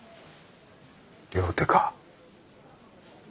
「両手」か？